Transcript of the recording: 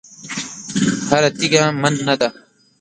هره تېږه من نه ده.